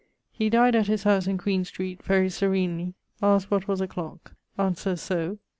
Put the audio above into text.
He dyed at his house in Queen street, very serenely; asked what was a clock, answer so